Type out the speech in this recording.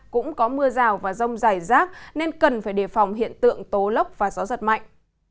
cũng có mưa rào và rông dài rác nên cần phải đề phòng hiện tượng tố lốc và gió giật mạnh